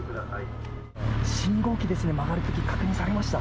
信号機ですね、曲がるとき、確認されました？